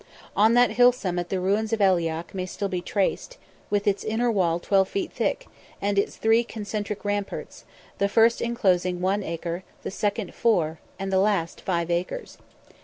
On that hill summit the ruins of Aileach may still be traced, with its inner wall twelve feet thick, and its three concentric ramparts, the first enclosing one acre, the second four, and the last five acres.